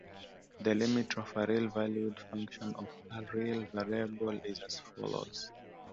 The limit of a real-valued function of a real variable is as follows.